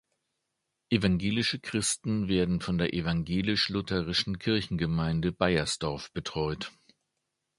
Evangelische Christen werden von der evangelisch-lutherischen Kirchengemeinde Baiersdorf betreut.